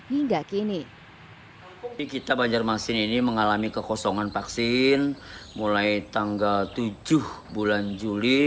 hingga kini kita banjarmasin ini mengalami kekosongan vaksin mulai tanggal tujuh bulan juli